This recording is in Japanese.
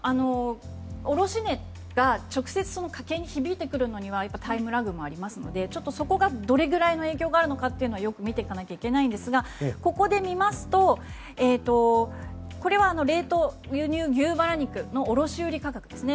卸値が直接家計に響いてくるのにはタイムラグもありますのでそこがどのぐらいの影響があるのかよく見ていかないといけないんですがここで見ますとこれは冷凍輸入牛バラ肉の卸売価格ですね。